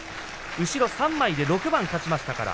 後ろ３枚で６番勝ちました。